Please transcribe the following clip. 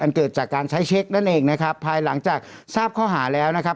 เกิดจากการใช้เช็คนั่นเองนะครับภายหลังจากทราบข้อหาแล้วนะครับ